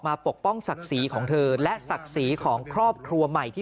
ปกป้องศักดิ์ศรีของเธอและศักดิ์ศรีของครอบครัวใหม่ที่